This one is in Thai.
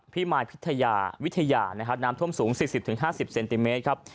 พี่หมายพิทยาวิทยาน้ำท่วมสูง๔๐๕๐เซนติเมตร